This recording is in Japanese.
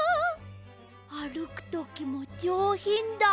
あるくときもじょうひんだ。